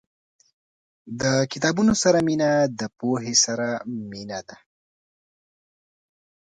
• د کتابونو سره مینه، د پوهې سره مینه ده.